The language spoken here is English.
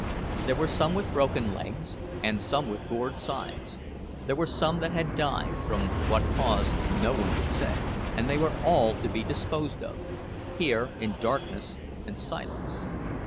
There were some with broken legs, and some with gored sides; there were some that had died, from what cause no one could say; and they were all to be disposed of, here in darkness and silence.